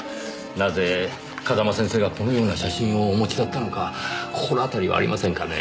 なぜ風間先生がこのような写真をお持ちだったのか心当たりはありませんかね？